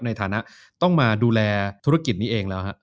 ในฐานะต้องมาดูแลธุรกิจนี้เองแล้วฮะ